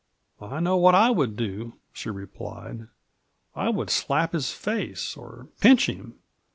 " I know what / would do," she replied. " I would slap his face, or pinch him.